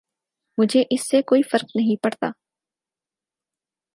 مجھے اس سے کوئی فرق نہیں پڑتا